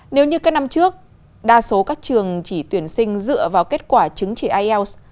nếu như các năm trước đa số các trường chỉ tuyển sinh dựa vào kết quả chứng chỉ ielts